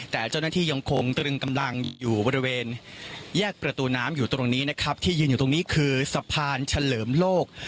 แต่เจ้าหน้าที่ยังคงตรึงกำลังอยู่บริเวณแยกประตูน้ำอยู่ตรงนี้นะครับที่ยืนอยู่ตรงนี้คือสะพานเฉลิมโลก